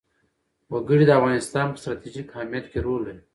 وګړي د افغانستان په ستراتیژیک اهمیت کې رول لري.